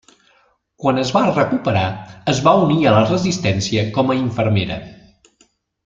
Quan es va recuperar, es va unir a la resistència com a infermera.